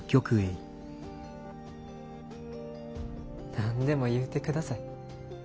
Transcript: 何でも言うて下さい。